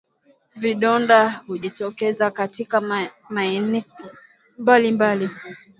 Vidonda hujitokeza katika maeneo mbalimbali